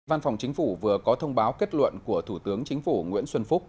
văn phòng chính phủ vừa có thông báo kết luận của thủ tướng chính phủ nguyễn xuân phúc